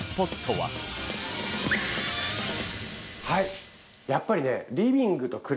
はいやっぱりね